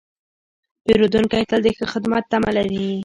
پیرودونکی تل د ښه خدمت تمه لري.